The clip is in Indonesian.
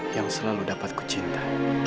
yang selalu dapat ku cinta